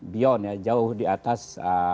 beyond ya jauh di atas